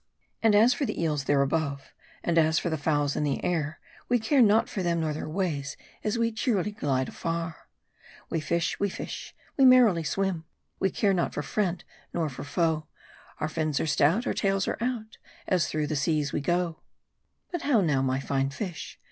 And as for the eels there above, And as for the fowls in the air, We care not for them nor their ways, As we cheerily glide afar ! We fish, we fish, we merrily swim, We care not for friend nor for foe : Our fins are stout, Our tails are out, As through the seas we go. 180 MARDI. But how now, my fine fish